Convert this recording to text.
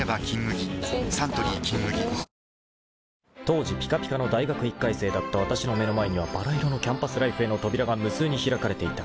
［当時ぴかぴかの大学１回生だったわたしの目の前にはばら色のキャンパスライフへの扉が無数に開かれていた］